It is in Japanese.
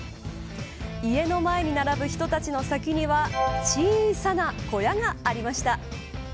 家の前に並ぶ人たちの先には小さな小屋がありました。